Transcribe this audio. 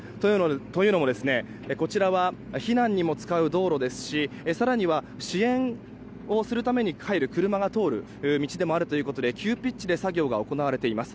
というのもこちらは避難にも使う道路ですし更には支援をするために入る車が通る道でもあって急ピッチで作業が行われています。